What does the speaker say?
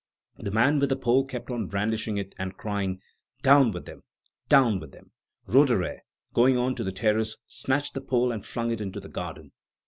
The man with the pole kept on brandishing it, and crying: "Down with them! down with them!" Roederer, going on to the terrace, snatched the pole and flung it into the garden.